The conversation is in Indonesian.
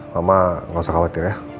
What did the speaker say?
mama nggak usah khawatir ya